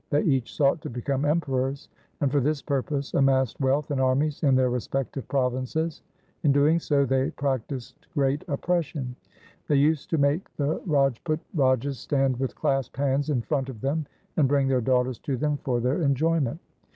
They each sought to become Emperors, and for this purpose amassed wealth and armies in their respective provinces. In doing so they prac tised great oppression. They used to make the Rajput Rajas stand with clasped hands in front of them and bring their daughters to them for their LIFE OF GURU HAR RAI 299 enjoyment.